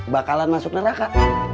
bakalan masuk neraka